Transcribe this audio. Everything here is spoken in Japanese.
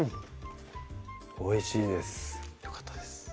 おいしいですよかったです